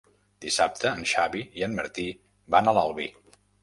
Dissabte en Xavi i en Martí van a l'Albi.